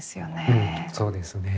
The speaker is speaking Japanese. うんそうですね。